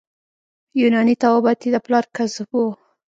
یوناني طبابت یې د پلار کسب وو.